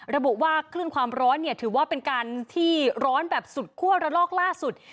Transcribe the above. ระบุว่าคลื่นความร้อนเนี่ยถือว่าเป็นการที่ร้อนแบบสุดคั่วระลอกล่าสุด